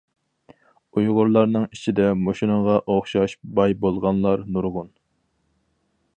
ئۇيغۇرلارنىڭ ئىچىدە مۇشۇنىڭغا ئوخشاش باي بولغانلار نۇرغۇن.